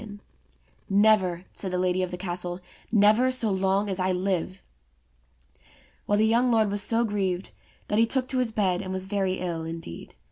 170 ENGLISH FAIRY TALES "Never," said the lady of the Castle, "never so long as I live." Well, the young lord was so grieved, that he took to his bed and was very ill indeed.